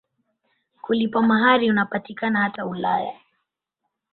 Kulipa mahari unapatikana hata Ulaya.